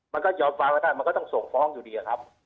มันก็ยอมความก็ได้มันก็ต้องส่งฟ้องอยู่ดีอะครับ